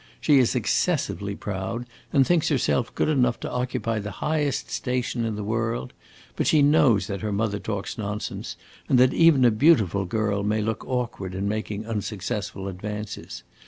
She is excessively proud, and thinks herself good enough to occupy the highest station in the world; but she knows that her mother talks nonsense, and that even a beautiful girl may look awkward in making unsuccessful advances.